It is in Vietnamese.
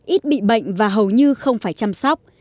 ít bị bệnh và hầu như không phải chăm sóc